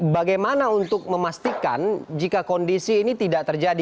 bagaimana untuk memastikan jika kondisi ini tidak terjadi